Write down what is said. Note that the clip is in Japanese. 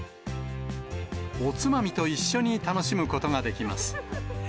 おつまみと一緒に楽しむことができます。